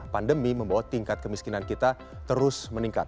pandemi membawa tingkat kemiskinan kita terus meningkat